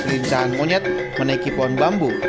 lincahan monyet menaiki pohon bambu